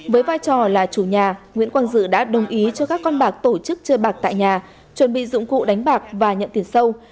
với vai trò là chủ nhà nguyễn quang dự đã đồng ý cho các con bạc tổ chức chơi bạc tại nhà chuẩn bị dụng cụ đánh bạc và nhận tiền sâu